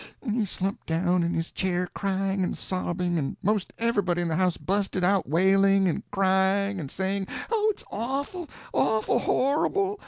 _" And he slumped down in his chair crying and sobbing, and 'most everybody in the house busted out wailing, and crying, and saying, "Oh, it's awful—awful—horrible!"